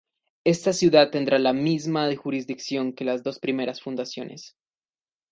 Esta ciudad tendría la misma jurisdicción que las dos primeras fundaciones.